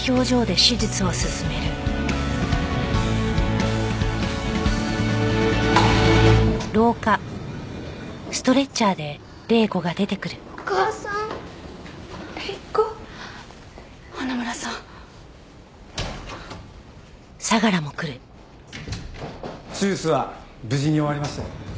手術は無事に終わりました。